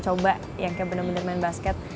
coba yang kayak bener bener main basket